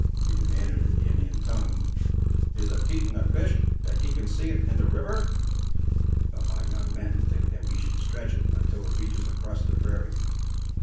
he demanded in the Indian tongue. "Is a Teton a fish, that he can see it in the river?" "But my young men think we should stretch it, until it reaches across the prairie."